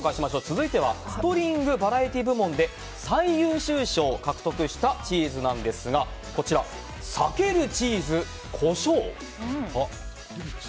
続いてはストリングバラエティ部門で最優秀賞を獲得したチーズですがこちら、さけるチーズこしょう。